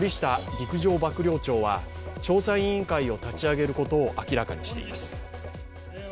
陸上幕僚長は調査委員会を立ち上げることを明らかにしています。